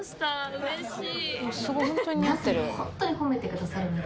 うれしい！